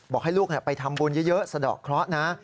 บอกให้ลูกไปทำบุญเยอะสะดอกเคราะห์นะ